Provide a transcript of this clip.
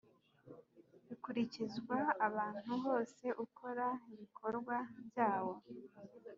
bikurikizwa ahantu hose ukora ibikorwa byawo